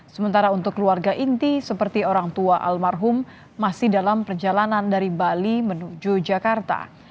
sementara untuk keluarga inti seperti orang tua almarhum masih dalam perjalanan dari bali menuju jakarta